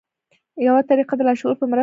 یوه طریقه د لاشعور په مرسته ده.